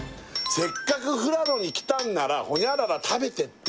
「せっかく富良野に来たんなら○○食べてって！」